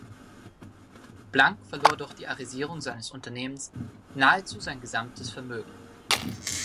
Blank verlor durch die Arisierung seines Unternehmens nahezu sein gesamtes Vermögen.